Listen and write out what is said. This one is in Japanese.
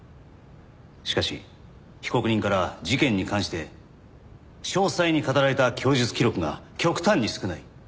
しかし被告人から事件に関して詳細に語られた供述記録が極端に少ない。